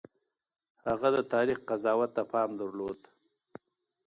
هغه د تاريخ قضاوت ته پام درلود.